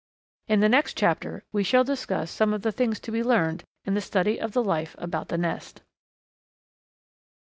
In the next chapter we shall discuss some of the things to be learned in the study of the life about the nest.